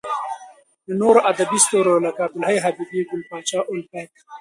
د نورو ادبې ستورو لکه عبد الحی حبیبي، ګل پاچا الفت .